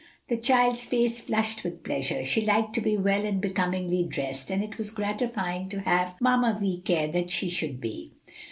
The child's face flushed with pleasure. She liked to be well and becomingly dressed, and it was gratifying to have Mamma Vi care that she should be.